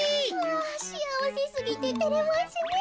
あしあわせすぎててれますねえ。